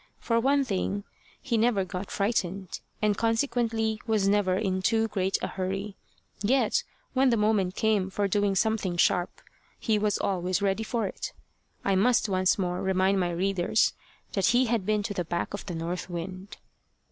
For one thing he never got frightened, and consequently was never in too great a hurry. Yet when the moment came for doing something sharp, he was always ready for it. I must once more remind my readers that he had been to the back of the north wind.